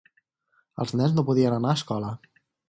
Els nens no podien anar a escola.